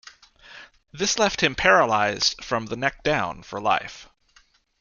This left him paralyzed from the neck down for life.